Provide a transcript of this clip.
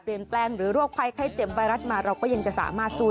เปลี่ยนแปลงหรือร่วมไฟไข้เจ็บไวรัสมาเราก็ยังจะสามารถสู้